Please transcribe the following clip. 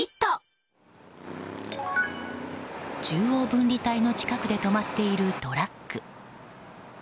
中央分離帯の近くで止まっているトラック。